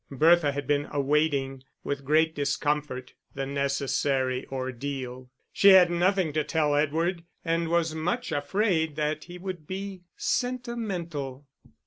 Bertha had been awaiting, with great discomfort, the necessary ordeal. She had nothing to tell Edward, and was much afraid that he would be sentimental.